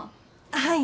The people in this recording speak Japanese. はい。